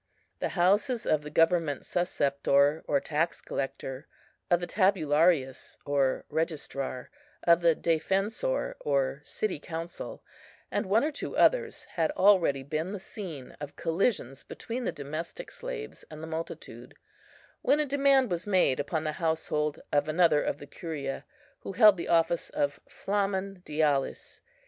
The houses of the government susceptor, or tax collector, of the tabularius or registrar, of the defensor or city counsel, and one or two others, had already been the scene of collisions between the domestic slaves and the multitude, when a demand was made upon the household of another of the Curia, who held the office of Flamen Dialis.